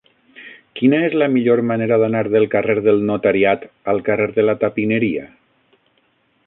Quina és la millor manera d'anar del carrer del Notariat al carrer de la Tapineria?